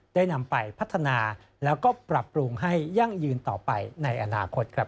ได้นำไปพัฒนาแล้วก็ปรับปรุงให้ยั่งยืนต่อไปในอนาคตครับ